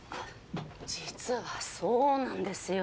実はそうなんですよ。